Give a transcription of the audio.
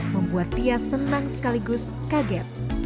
membuat dia senang sekaligus kaget